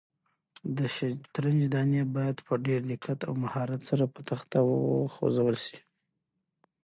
د شطرنج دانې باید په ډېر دقت او مهارت سره په تخته وخوځول شي.